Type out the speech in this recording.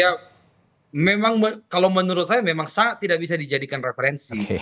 ya memang kalau menurut saya memang tidak bisa dijadikan referensi